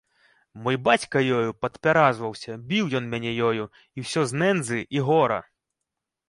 Мой бацька ёю падпяразваўся, біў ён мяне ёю, і ўсё з нэндзы і гора!